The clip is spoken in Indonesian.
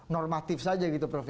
normatif saja gitu prof